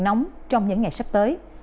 nóng trong những ngày sắp tới